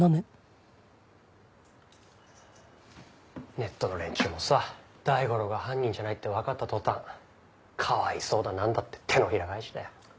ネットの連中もさ大五郎が犯人じゃないってわかった途端かわいそうだなんだって手のひら返しだよ。